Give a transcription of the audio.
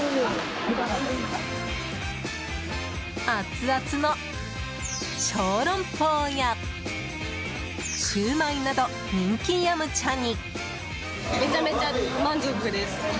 アツアツの小龍包やシューマイなど人気飲茶に。